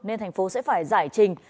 nên thành phố sẽ phải giải trình